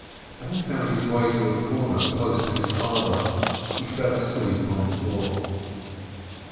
Having found his way to a corner close to his father, he fell asleep on the floor.